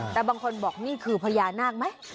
แต่บางคนบอกนี่คือพญานาคไหม